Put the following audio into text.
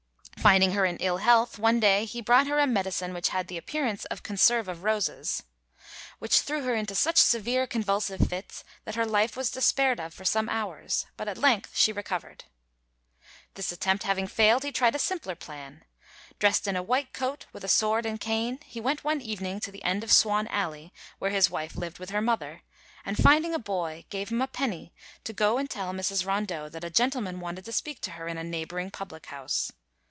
Finding her in ill health, one day he brought her "a medicine which had the appearance of conserve of roses, which threw her into such severe convulsive fits that her life was despaired of for some hours; but at length she recovered." This attempt having failed, he tried a simpler plan. Dressed in a white coat, with sword and cane, he went one evening to the end of Swan Alley, where his wife lived with her mother, and finding a boy, gave him a penny to go and tell Mrs. Rondeau that a gentleman wanted to speak to her in a neighbouring public house.